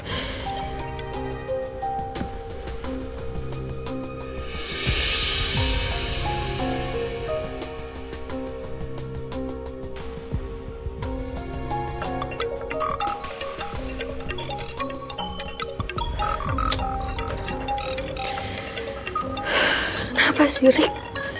kenapa sih rick